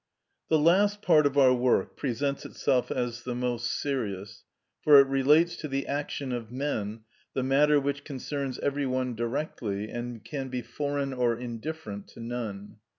The last part of our work presents itself as the most serious, for it relates to the action of men, the matter which concerns every one directly and can be foreign or indifferent to none.